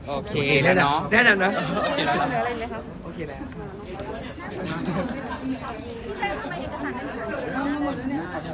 โอเคแล้วเนอะ